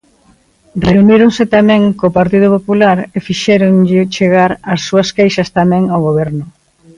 Reuníronse tamén co Partido Popular e fixéronlle chegar as súas queixas tamén ao Goberno.